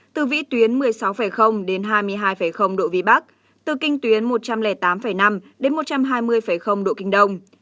từ vĩ tuyến một mươi sáu hai mươi hai độ vb từ kinh tuyến một trăm linh tám năm một trăm hai mươi độ kd